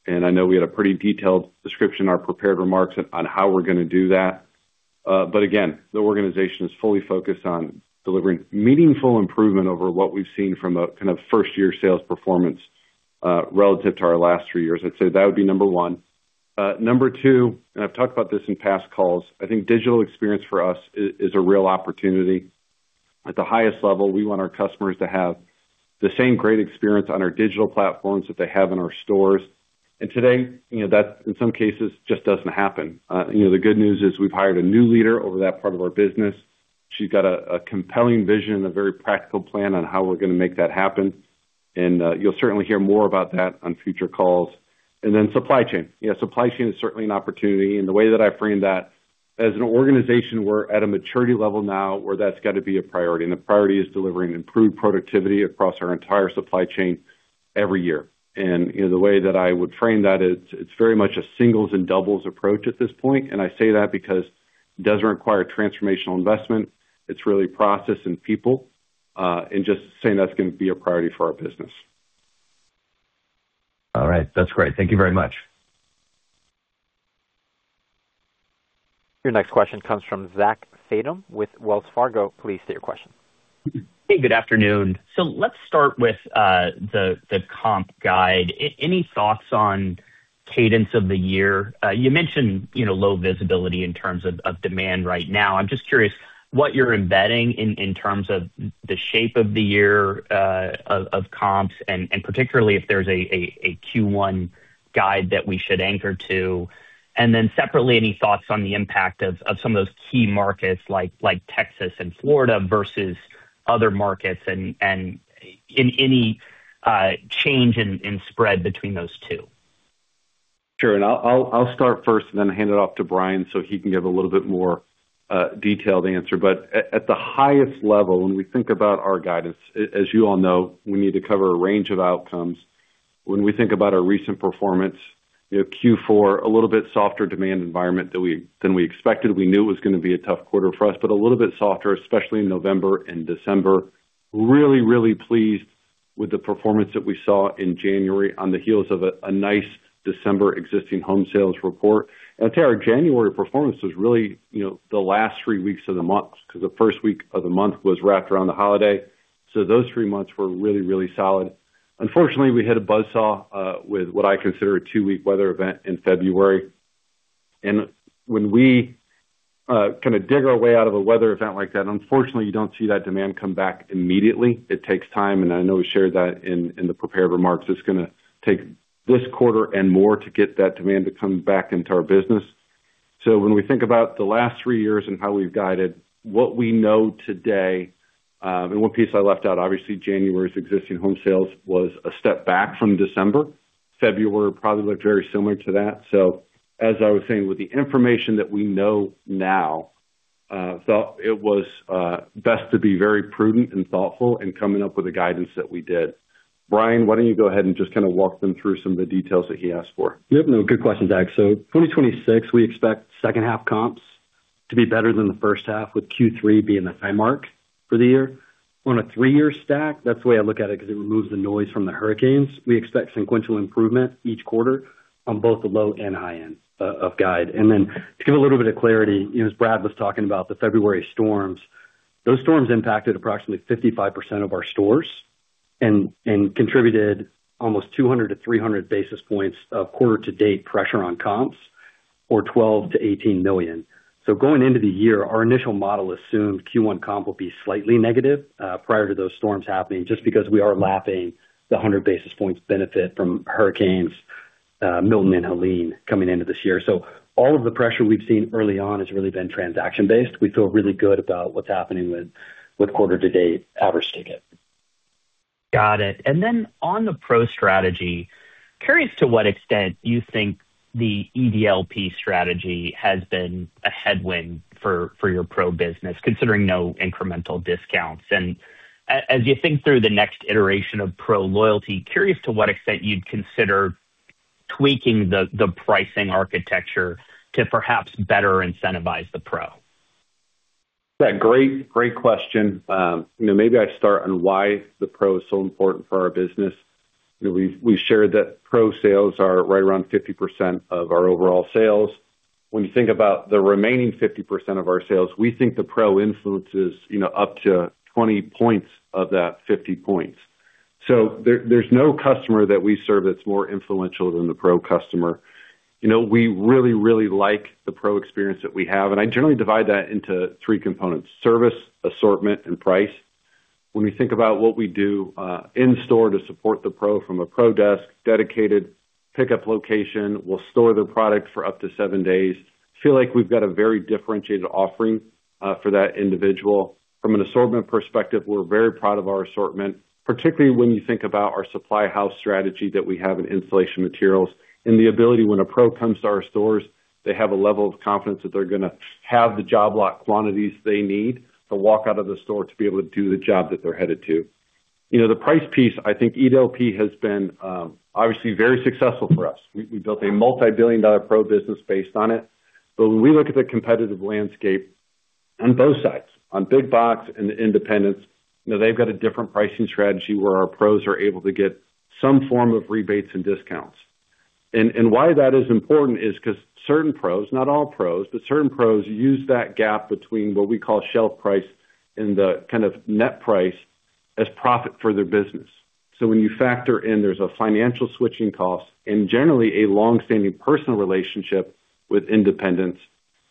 And I know we had a pretty detailed description in our prepared remarks on how we're gonna do that. But again, the organization is fully focused on delivering meaningful improvement over what we've seen from a kind of first-year sales performance relative to our last three years, I'd say that would be number one. Number two, and I've talked about this in past calls, I think digital experience for us is, is a real opportunity. At the highest level, we want our customers to have the same great experience on our digital platforms that they have in our stores. And today, you know, that, in some cases, just doesn't happen. You know, the good news is we've hired a new leader over that part of our business. She's got a, a compelling vision and a very practical plan on how we're gonna make that happen, and, you'll certainly hear more about that on future calls. And then supply chain. Yeah, supply chain is certainly an opportunity, and the way that I frame that, as an organization, we're at a maturity level now where that's got to be a priority, and the priority is delivering improved productivity across our entire supply chain every year. And, you know, the way that I would frame that is, it's very much a singles and doubles approach at this point. And I say that because it doesn't require transformational investment, it's really process and people, and just saying that's gonna be a priority for our business. All right. That's great. Thank you very much. Your next question comes from Zach Fadem with Wells Fargo. Please state your question. Hey, good afternoon. So let's start with the comp guide. Any thoughts on cadence of the year? You mentioned, you know, low visibility in terms of demand right now. I'm just curious what you're embedding in terms of the shape of the year, of comps, and particularly if there's a Q1 guide that we should anchor to. And then separately, any thoughts on the impact of some of those key markets, like Texas and Florida versus other markets, and any change in spread between those two? Sure. I'll start first and then hand it off to Bryan, so he can give a little bit more detailed answer. But at the highest level, when we think about our guidance, as you all know, we need to cover a range of outcomes. When we think about our recent performance, you know, Q4, a little bit softer demand environment than we expected. We knew it was gonna be a tough quarter for us, but a little bit softer, especially in November and December. Really, really pleased with the performance that we saw in January on the heels of a nice December existing home sales report. And I'd say our January performance was really, you know, the last three weeks of the month, 'cause the first week of the month was wrapped around the holiday, so those three months were really, really solid. Unfortunately, we hit a buzzsaw with what I consider a two-week weather event in February. And when we kind of dig our way out of a weather event like that, unfortunately, you don't see that demand come back immediately. It takes time, and I know we shared that in the prepared remarks. It's gonna take this quarter and more to get that demand to come back into our business. So when we think about the last three years and how we've guided, what we know today, and one piece I left out, obviously, January's existing home sales was a step back from December. February probably looked very similar to that. So as I was saying, with the information that we know now, thought it was best to be very prudent and thoughtful in coming up with the guidance that we did. Bryan, why don't you go ahead and just kind of walk them through some of the details that he asked for? Yep. No, good question, Zach. So 2026, we expect second half comps to be better than the first half, with Q3 being the high mark for the year. On a three-year stack, that's the way I look at it, 'cause it removes the noise from the hurricanes. We expect sequential improvement each quarter on both the low and high end of guide. Then, to give a little bit of clarity, you know, as Brad was talking about the February storms, those storms impacted approximately 55% of our stores and contributed almost 200-300 basis points of quarter to date pressure on comps, or $12 million-$18 million. So going into the year, our initial model assumed Q1 comp will be slightly negative, prior to those storms happening, just because we are lapping the 100 basis points benefit from Hurricanes Milton and Helene coming into this year. So all of the pressure we've seen early on has really been transaction-based. We feel really good about what's happening with quarter to date average ticket. Got it. And then on the PRO strategy, curious to what extent you think the EDLP strategy has been a headwind for your PRO business, considering no incremental discounts. And as you think through the next iteration of PRO loyalty, curious to what extent you'd consider tweaking the pricing architecture to perhaps better incentivize the Pro. Yeah, great, great question. You know, maybe I start on why the PRO is so important for our business. You know, we've shared that PRO sales are right around 50% of our overall sales. When you think about the remaining 50% of our sales, we think the PRO influence is, you know, up to 20 points of that 50 points. There's no customer that we serve that's more influential than the PRO customer. You know, we really, really like the PRO experience that we have, and I generally divide that into three components: service, assortment, and price. When we think about what we do, in store to support the PRO, from a PRO desk, dedicated pickup location, we'll store the product for up to seven days. Feel like we've got a very differentiated offering, for that individual. From an assortment perspective, we're very proud of our assortment, particularly when you think about our supply house strategy that we have in installation materials and the ability, when a PRO comes to our stores, they have a level of confidence that they're gonna have the job lot quantities they need to walk out of the store to be able to do the job that they're headed to. You know, the price piece, I think EDLP has been, obviously very successful for us. We built a multibillion-dollar PRO business based on it. But when we look at the competitive landscape on both sides, on big box and the independents, you know, they've got a different pricing strategy where our PROs are able to get some form of rebates and discounts. And why that is important is because certain PROs, not all PROs, but certain pros use that gap between what we call shelf price and the kind of net price as profit for their business. So when you factor in, there's a financial switching cost and generally a long-standing personal relationship with independents,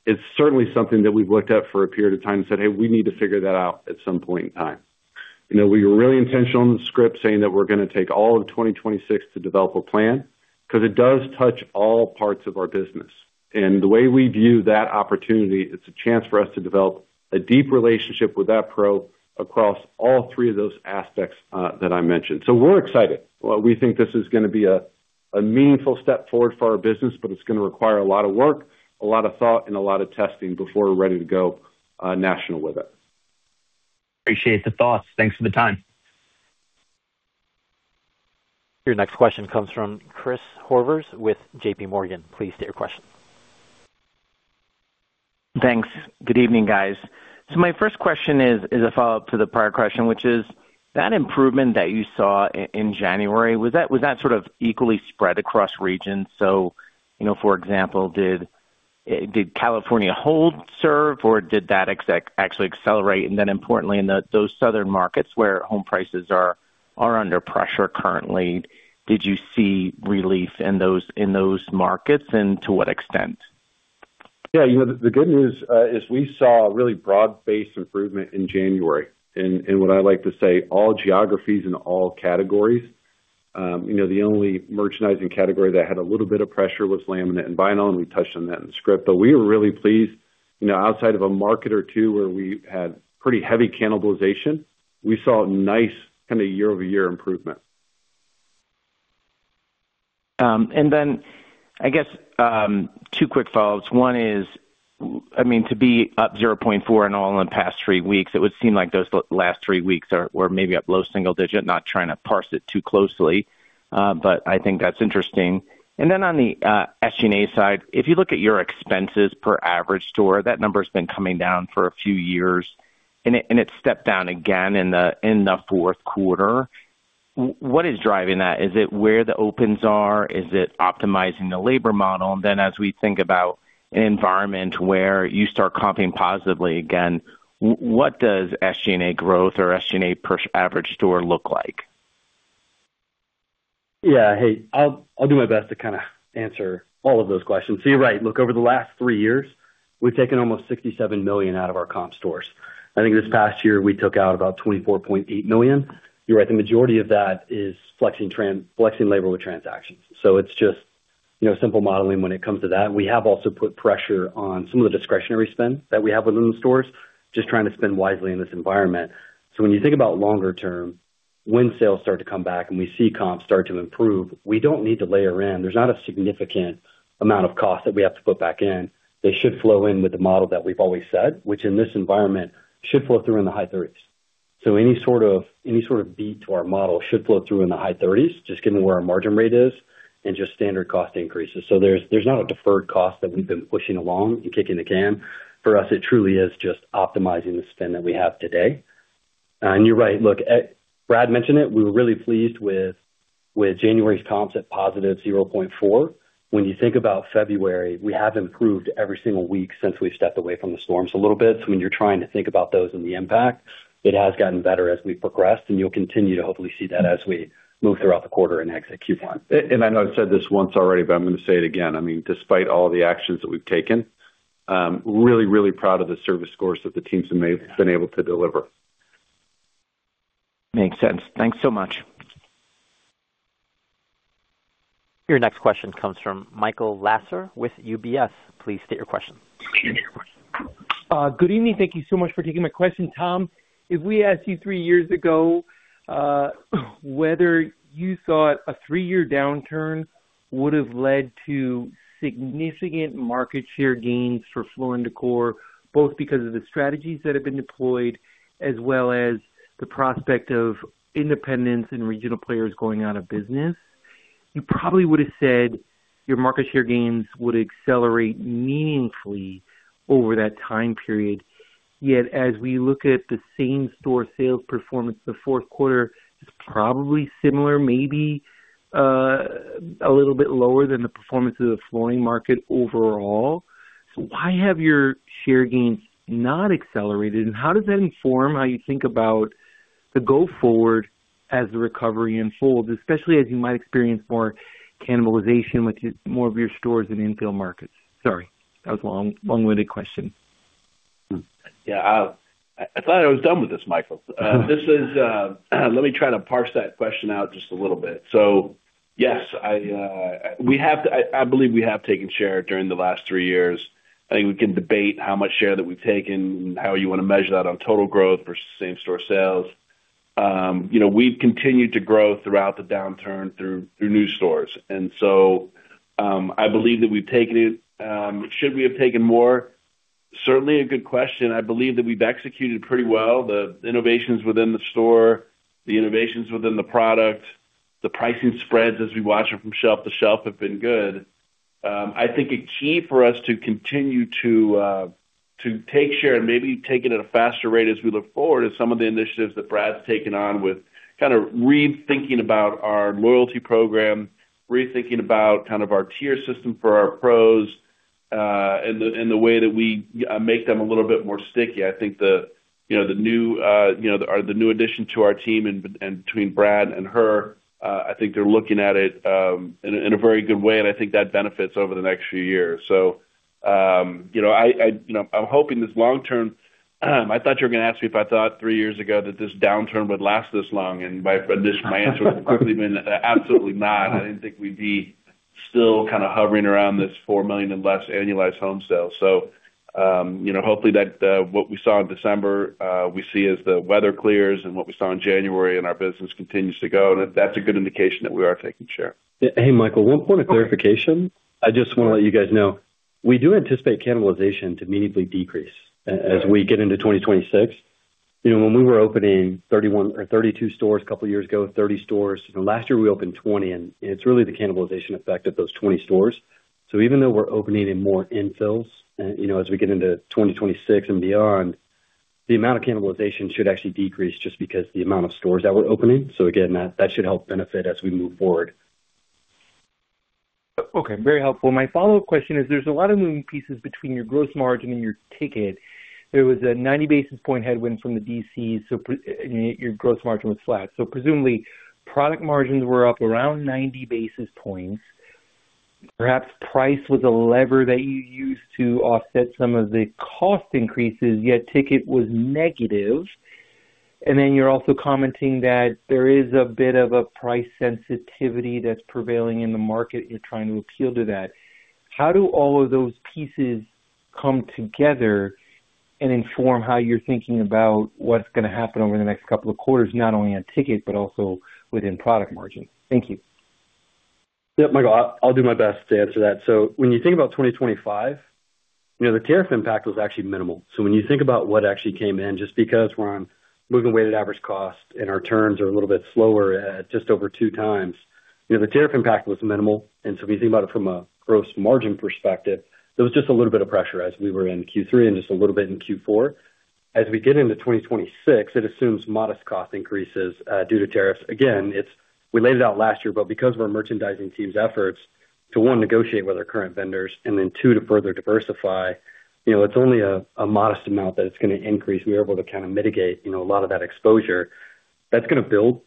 it's certainly something that we've looked at for a period of time and said, "Hey, we need to figure that out at some point in time." You know, we were really intentional in the script saying that we're going to take all of 2026 to develop a plan, because it does touch all parts of our business. The way we view that opportunity, it's a chance for us to develop a deep relationship with that PRO across all three of those aspects that I mentioned. We're excited. Well, we think this is going to be a meaningful step forward for our business, but it's going to require a lot of work, a lot of thought, and a lot of testing before we're ready to go national with it. Appreciate the thoughts. Thanks for the time. Your next question comes from Chris Horvers with JPMorgan. Please state your question. Thanks. Good evening, guys. So my first question is a follow-up to the prior question, which is that improvement that you saw in January, was that sort of equally spread across regions? So, you know, for example, did California hold serve or did that actually accelerate? And then importantly, in those southern markets where home prices are under pressure currently, did you see relief in those markets, and to what extent? Yeah, you know, the good news is we saw a really broad-based improvement in January, in what I like to say, all geographies and all categories. You know, the only merchandising category that had a little bit of pressure was laminate and vinyl, and we touched on that in the script. But we were really pleased. You know, outside of a market or two where we had pretty heavy cannibalization, we saw a nice kind of year-over-year improvement. And then I guess, two quick follow-ups. One is, I mean, to be up 0.4% in all in the past three weeks, it would seem like those last three weeks were maybe up low single digit, not trying to parse it too closely, but I think that's interesting. And then on the SG&A side, if you look at your expenses per average store, that number's been coming down for a few years, and it stepped down again in the fourth quarter. What is driving that? Is it where the opens are? Is it optimizing the labor model? And then as we think about an environment where you start comping positively again, what does SG&A growth or SG&A per average store look like? Yeah. Hey, I'll, I'll do my best to kind of answer all of those questions. So you're right. Look, over the last three years, we've taken almost $67 million out of our comp stores. I think this past year, we took out about $24.8 million. You're right, the majority of that is flexing trans- flexing labor with transactions. So it's just, you know, simple modeling when it comes to that. We have also put pressure on some of the discretionary spend that we have within the stores, just trying to spend wisely in this environment. So when you think about longer term, when sales start to come back and we see comps start to improve, we don't need to layer in. There's not a significant amount of cost that we have to put back in. They should flow in with the model that we've always said, which in this environment should flow through in the high 30s. So any sort of beat to our model should flow through in the high 30s, just given where our margin rate is and just standard cost increases. So there's not a deferred cost that we've been pushing along and kicking the can. For us, it truly is just optimizing the spend that we have today. And you're right. Look, Brad mentioned it, we were really pleased with January's comps at +0.4%. When you think about February, we have improved every single week since we've stepped away from the storms a little bit. So when you're trying to think about those and the impact, it has gotten better as we've progressed, and you'll continue to hopefully see that as we move throughout the quarter and exit Q1. I know I've said this once already, but I'm going to say it again. I mean, despite all the actions that we've taken, really, really proud of the service scores that the teams have been able to deliver. Makes sense. Thanks so much. Your next question comes from Michael Lasser with UBS. Please state your question. Good evening. Thank you so much for taking my question. Tom, if we asked you three years ago whether you thought a three-year downturn would have led to significant market share gains for Floor and Decor, both because of the strategies that have been deployed, as well as the prospect of independents and regional players going out of business, you probably would have said your market share gains would accelerate meaningfully over that time period. Yet, as we look at the same-store sales performance, the fourth quarter is probably similar, maybe a little bit lower than the performance of the flooring market overall. So why have your share gains not accelerated? And how does that inform how you think about the go forward as the recovery unfolds, especially as you might experience more cannibalization with your... More of your stores in the infill markets? Sorry, that was a long, long-winded question. Yeah, I thought I was done with this, Michael. Let me try to parse that question out just a little bit. So yes, I, we have—I believe we have taken share during the last three years. I think we can debate how much share that we've taken and how you want to measure that on total growth versus same store sales. You know, we've continued to grow throughout the downturn through new stores, and so, I believe that we've taken it. Should we have taken more? Certainly, a good question. I believe that we've executed pretty well the innovations within the store, the innovations within the product. The pricing spreads as we watch them from shelf to shelf have been good. I think a key for us to continue to take share and maybe take it at a faster rate as we look forward is some of the initiatives that Brad's taken on with kind of rethinking about our loyalty program, rethinking about kind of our tier system for our pros, and the way that we make them a little bit more sticky. I think the, you know, the new addition to our team and between Brad and her, I think they're looking at it in a very good way, and I think that benefits over the next few years. So, you know, I, I, you know, I'm hoping this long term... I thought you were gonna ask me if I thought three years ago that this downturn would last this long, and my answer would have quickly been absolutely not. I didn't think we'd be still kind of hovering around this 4 million and less annualized home sales. So, you know, hopefully, that what we saw in December we see as the weather clears and what we saw in January and our business continues to go, and that's a good indication that we are taking share. Hey, Michael, one point of clarification. I just want to let you guys know, we do anticipate cannibalization to immediately decrease as we get into 2026. You know, when we were opening 31 or 32 stores a couple of years ago, 30 stores, last year we opened 20, and it's really the cannibalization effect of those 20 stores. So even though we're opening in more infills, and, you know, as we get into 2026 and beyond, the amount of cannibalization should actually decrease just because the amount of stores that we're opening. So again, that, that should help benefit as we move forward. Okay, very helpful. My follow-up question is, there's a lot of moving pieces between your gross margin and your ticket. There was a 90 basis point headwind from the DC, so pre- your gross margin was flat. So presumably, product margins were up around 90 basis points. Perhaps price was a lever that you used to offset some of the cost increases, yet ticket was negative. And then you're also commenting that there is a bit of a price sensitivity that's prevailing in the market. You're trying to appeal to that. How do all of those pieces come together and inform how you're thinking about what's gonna happen over the next couple of quarters, not only on ticket, but also within product margin? Thank you. Yep, Michael, I'll do my best to answer that. So when you think about 2025, you know, the tariff impact was actually minimal. So when you think about what actually came in, just because we're on moving weighted average cost and our turns are a little bit slower at just over 2x, you know, the tariff impact was minimal, and so if you think about it from a gross margin perspective, there was just a little bit of pressure as we were in Q3 and just a little bit in Q4. As we get into 2026, it assumes modest cost increases due to tariffs. Again, it's we laid it out last year, but because of our merchandising team's efforts to, one, negotiate with our current vendors, and then two, to further diversify, you know, it's only a modest amount that it's gonna increase. We were able to kind of mitigate, you know, a lot of that exposure. That's gonna build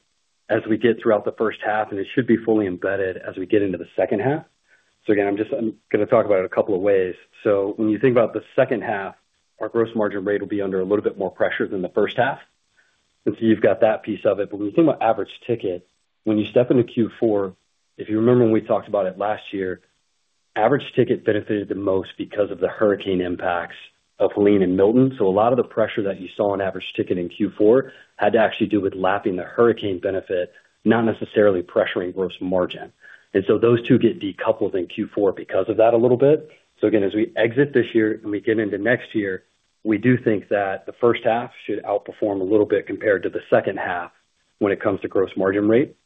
as we get throughout the first half, and it should be fully embedded as we get into the second half. So again, I'm just- I'm gonna talk about it a couple of ways. So when you think about the second half, our gross margin rate will be under a little bit more pressure than the first half. And so you've got that piece of it. But when you think about average ticket, when you step into Q4, if you remember, when we talked about it last year, average ticket benefited the most because of the hurricane impacts of Helene and Milton. So a lot of the pressure that you saw on average ticket in Q4 had to actually do with lapping the hurricane benefit, not necessarily pressuring gross margin. And so those two get decoupled in Q4 because of that a little bit. So again, as we exit this year and we get into next year, we do think that the first half should outperform a little bit compared to the second half when it comes to gross margin rate.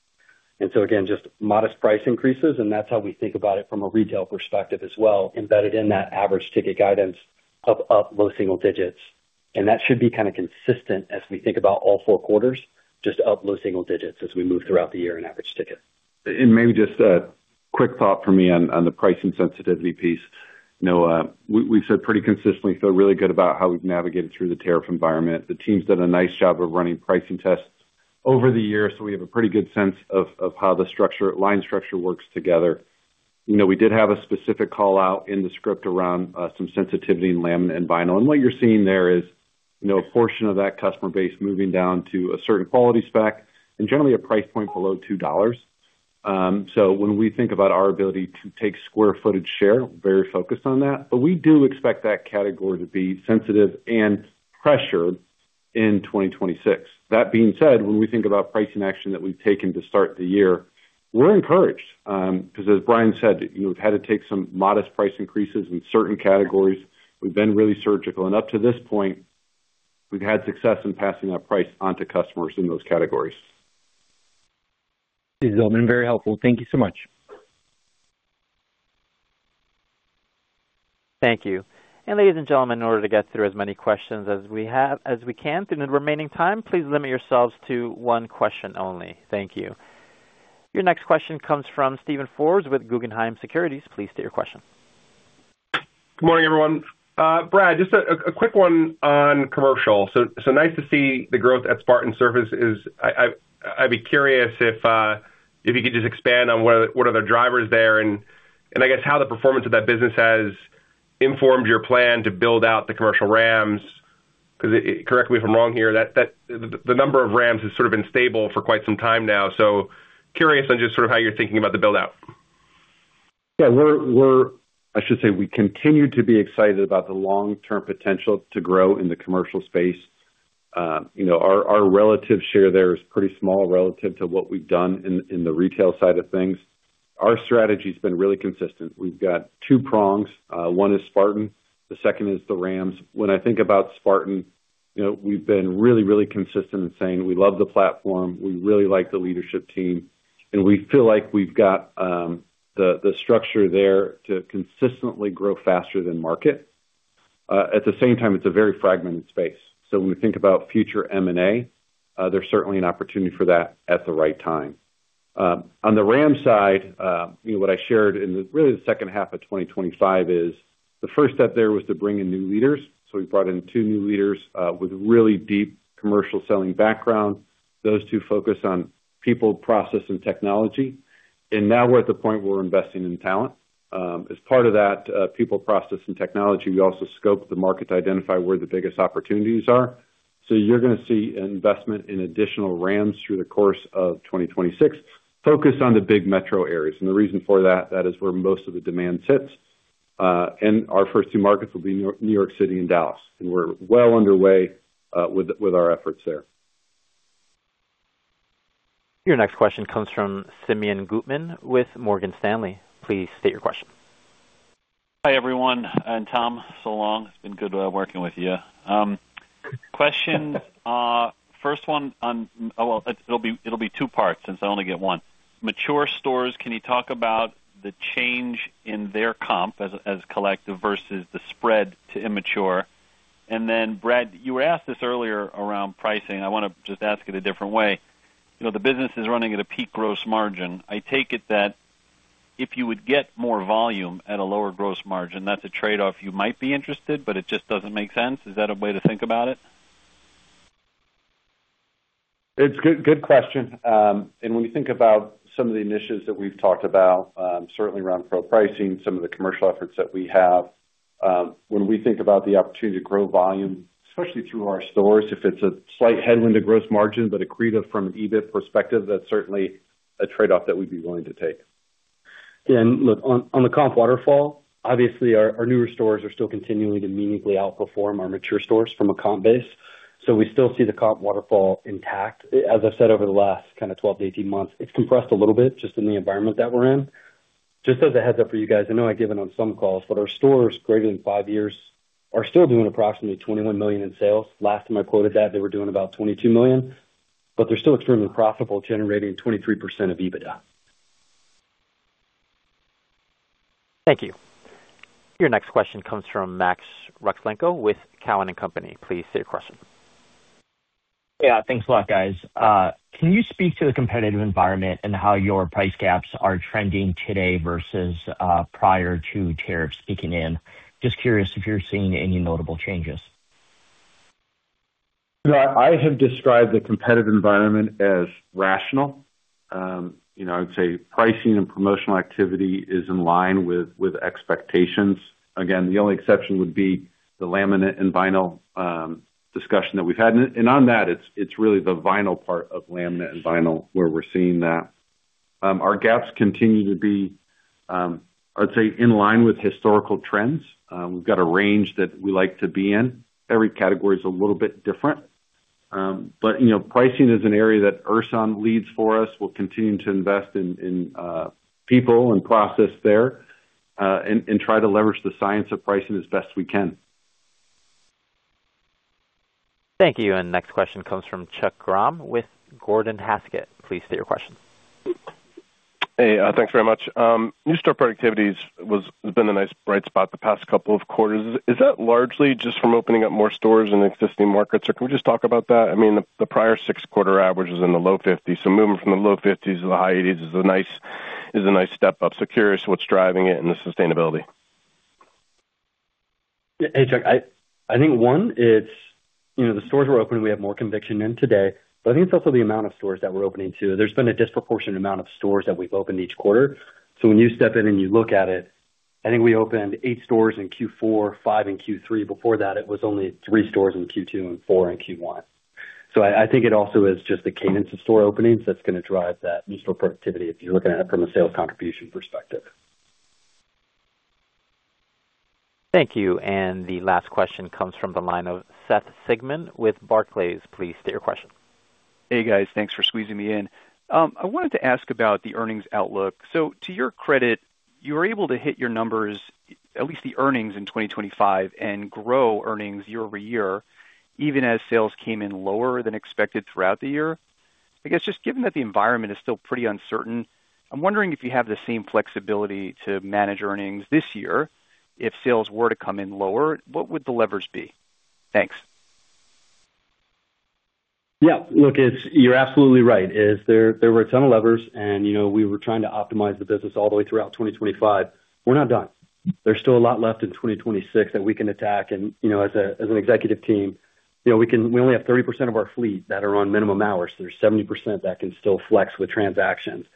And so again, just modest price increases, and that's how we think about it from a retail perspective as well, embedded in that average ticket guidance of up low single digits. And that should be kind of consistent as we think about all four quarters, just up low single digits as we move throughout the year in average ticket. Maybe just a quick thought for me on the pricing sensitivity piece. You know, we've said pretty consistently, feel really good about how we've navigated through the tariff environment. The team's done a nice job of running pricing tests over the years, so we have a pretty good sense of how the structure, line structure works together. You know, we did have a specific call-out in the script around some sensitivity in laminate and vinyl. And what you're seeing there is, you know, a portion of that customer base moving down to a certain quality spec and generally a price point below $2. So when we think about our ability to take square footage share, very focused on that, but we do expect that category to be sensitive and pressured in 2026. That being said, when we think about pricing action that we've taken to start the year, we're encouraged, because as Bryan said, you know, we've had to take some modest price increases in certain categories. We've been really surgical, and up to this point, we've had success in passing that price on to customers in those categories. Very helpful. Thank you so much. Thank you. Ladies and gentlemen, in order to get through as many questions as we have, as we can in the remaining time, please limit yourselves to one question only. Thank you. Your next question comes from Steven Forbes with Guggenheim Securities. Please state your question. Good morning, everyone. Brad, just a quick one on commercial. So, nice to see the growth at Spartan Surfaces is... I'd be curious if you could just expand on what are the drivers there, and I guess how the performance of that business has informed your plan to build out the commercial RAMs. Because correct me if I'm wrong here, that the number of RAMs has sort of been stable for quite some time now. So curious on just sort of how you're thinking about the build-out? Yeah, we're—I should say, we continue to be excited about the long-term potential to grow in the commercial space. You know, our relative share there is pretty small relative to what we've done in the retail side of things. Our strategy's been really consistent. We've got two prongs. One is Spartan, the second is the RAMs. When I think about Spartan. You know, we've been really, really consistent in saying we love the platform, we really like the leadership team, and we feel like we've got the structure there to consistently grow faster than market. At the same time, it's a very fragmented space. So when we think about future M&A, there's certainly an opportunity for that at the right time. On the RAM side, you know, what I shared in really the second half of 2025 is the first step there was to bring in new leaders. So we brought in two new leaders with really deep commercial selling background. Those two focus on people, process, and technology, and now we're at the point where we're investing in talent. As part of that, people, process, and technology, we also scoped the market to identify where the biggest opportunities are. So you're gonna see an investment in additional RAMs through the course of 2026, focused on the big metro areas. And the reason for that is where most of the demand sits. And our first two markets will be New York, New York City and Dallas, and we're well underway with our efforts there. Your next question comes from Simeon Gutman with Morgan Stanley. Please state your question. Hi, everyone, and Tom, so long. It's been good working with you. Question, first one on... Well, it'll be, it'll be two parts since I only get one. Mature stores, can you talk about the change in their comp as collective versus the spread to immature? And then, Brad, you were asked this earlier around pricing. I wanna just ask it a different way. You know, the business is running at a peak gross margin. I take it that if you would get more volume at a lower gross margin, that's a trade-off you might be interested, but it just doesn't make sense. Is that a way to think about it? It's a good, good question. And when you think about some of the initiatives that we've talked about, certainly around PRO pricing, some of the commercial efforts that we have, when we think about the opportunity to grow volume, especially through our stores, if it's a slight headwind to gross margin, but accretive from an EBIT perspective, that's certainly a trade-off that we'd be willing to take. Then, look, on the comp waterfall, obviously, our newer stores are still continuing to meaningfully outperform our mature stores from a comp base. So we still see the comp waterfall intact. As I said, over the last kind of 12-18 months, it's compressed a little bit, just in the environment that we're in. Just as a heads-up for you guys, I know I've given on some calls, but our stores greater than five years are still doing approximately $21 million in sales. Last time I quoted that, they were doing about $22 million, but they're still extremely profitable, generating 23% of EBITDA. Thank you. Your next question comes from Max Rakhlenko with Cowen and Company. Please state your question. Yeah, thanks a lot, guys. Can you speak to the competitive environment and how your price gaps are trending today versus prior to tariffs kicking in? Just curious if you're seeing any notable changes. Yeah. I have described the competitive environment as rational. You know, I'd say pricing and promotional activity is in line with expectations. Again, the only exception would be the laminate and vinyl discussion that we've had. And on that, it's really the vinyl part of laminate and vinyl where we're seeing that. Our gaps continue to be, I'd say, in line with historical trends. We've got a range that we like to be in. Every category is a little bit different. But, you know, pricing is an area that Ersan leads for us. We'll continue to invest in people and process there, and try to leverage the science of pricing as best we can. Thank you. Next question comes from Chuck Grom with Gordon Haskett. Please state your question. Hey, thanks very much. New store productivities has been a nice bright spot the past couple of quarters. Is that largely just from opening up more stores in existing markets, or can we just talk about that? I mean, the prior six-quarter average is in the low 50s so moving from the low fifties to the high 80s is a nice, is a nice step up. So curious what's driving it and the sustainability. Hey, Chuck. I think one, it's, you know, the stores we're opening, we have more conviction in today, but I think it's also the amount of stores that we're opening, too. There's been a disproportionate amount of stores that we've opened each quarter. So when you step in and you look at it, I think we opened eight stores in Q4, five in Q3. Before that, it was only three stores in Q2 and four in Q1. So I think it also is just the cadence of store openings that's gonna drive that new store productivity if you're looking at it from a sales contribution perspective. Thank you. The last question comes from the line of Seth Sigman with Barclays. Please state your question. Hey, guys. Thanks for squeezing me in. I wanted to ask about the earnings outlook. So to your credit, you were able to hit your numbers, at least the earnings in 2025, and grow earnings year-over-year, even as sales came in lower than expected throughout the year. I guess, just given that the environment is still pretty uncertain, I'm wondering if you have the same flexibility to manage earnings this year. If sales were to come in lower, what would the levers be? Thanks. Yeah, look, it's—you're absolutely right, there were a ton of levers, and, you know, we were trying to optimize the business all the way throughout 2025. We're not done. There's still a lot left in 2026 that we can attack and, you know, as an executive team, you know, we can—we only have 30% of our fleet that are on minimum hours, so there's 70% that can still flex with transactions.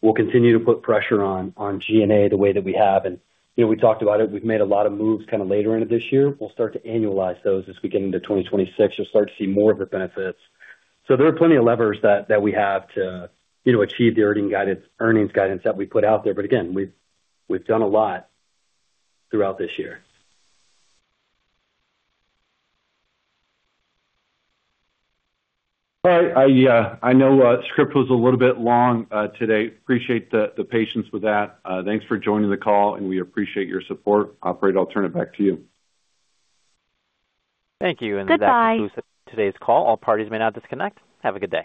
We'll continue to put pressure on SG&A the way that we have, and, you know, we talked about it. We've made a lot of moves kind of later into this year. We'll start to annualize those as we get into 2026. You'll start to see more of the benefits. So there are plenty of levers that we have to, you know, achieve the earnings guidance that we put out there. But again, we've done a lot throughout this year. All right, I, I know, script was a little bit long, today. Appreciate the patience with that. Thanks for joining the call, and we appreciate your support. Operator, I'll turn it back to you. Thank you. Goodbye. That concludes today's call. All parties may now disconnect. Have a good day.